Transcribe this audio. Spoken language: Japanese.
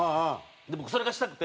それがしたくて。